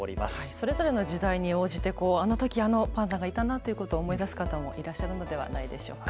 それぞれの時代に応じてあのときあのパンダがいたなということを思い出す方もいらっしゃるのではないでしょうか。